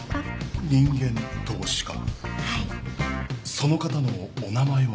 その方のお名前は？